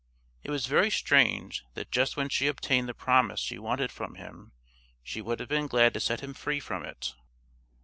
It was very strange that just when she obtained the promise she wanted from him she would have been glad to set him free from it!